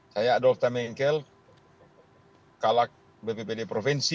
saya adolf tamekel kalak bppd provinsi